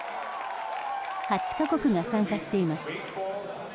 ８か国が参加しています。